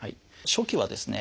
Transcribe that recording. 初期はですね